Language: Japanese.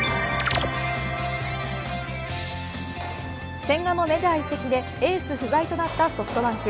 千賀のメジャー移籍でエース不在となったソフトバンク。